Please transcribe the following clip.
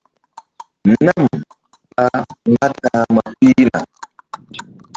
Nam ɓa mgbáta̧hma pihna.